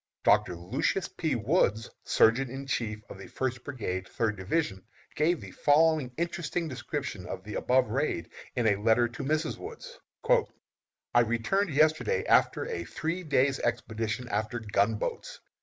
Doctor Lucius P. Woods, Surgeon in Chief of the First Brigade, Third Division, gives the following interesting description of the above raid in a letter to Mrs. Woods: "I returned yesterday after a three days' expedition after gunboats!